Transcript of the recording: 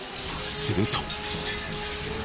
すると。